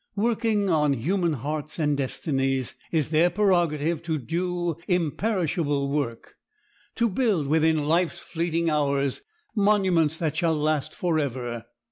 Working on human hearts and destinies, it is their prerogative to do imperishable work, to build within life's fleeting hours monuments that shall last forever.